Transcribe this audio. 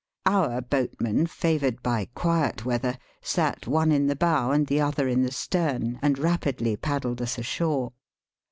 Our boatmen, favoured by quiet weather, sat one in the bow and the other in the stem, and rapidly paddled us ashore.